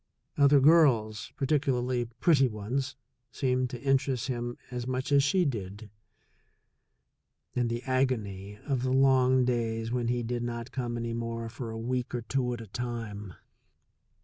Other girls, particularly pretty ones, seemed to interest him as much as she did. And the agony of the long days when he did not come any more for a week or two at a time!